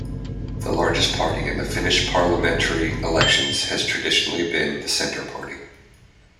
The largest party in the Finnish parliamentary elections has traditionally been the Centre Party.